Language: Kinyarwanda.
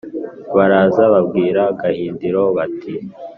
baraza babwira gahindiro bati